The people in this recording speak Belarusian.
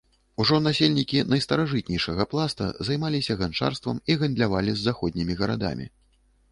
Ужо насельнікі найстаражытнейшага пласта займаліся ганчарствам і гандлявалі з заходнімі гарадамі.